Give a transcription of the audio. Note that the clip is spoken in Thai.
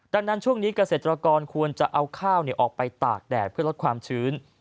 ดังนั้นช่วงนี้เกษตรกรควรจะเอาข้าวออกไปตากแดดเพื่อลดความชื้น